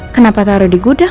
kenapa taruh di gudang